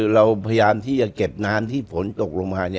เราพยายามที่จะเก็บน้ำที่ฝนตกลงมา